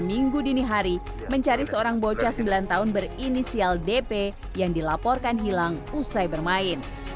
minggu dini hari mencari seorang bocah sembilan tahun berinisial dp yang dilaporkan hilang usai bermain